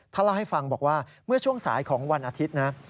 เล่าให้ฟังบอกว่าเมื่อช่วงสายของวันอาทิตย์นะ